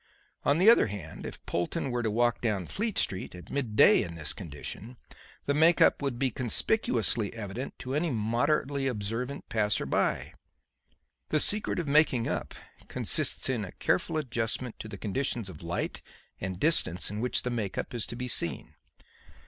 On the other hand, if Polton were to walk down Fleet Street at mid day in this condition, the make up would be conspicuously evident to any moderately observant passer by. The secret of making up consists in a careful adjustment to the conditions of light and distance in which the make up is to be seen.